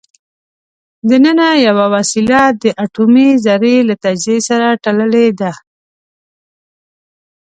دننه یوه وسیله د اټومي ذرې له تجزیې سره تړلې ده.